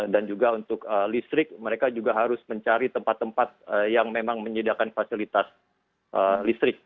dan juga untuk listrik mereka juga harus mencari tempat tempat yang memang menyediakan fasilitas listrik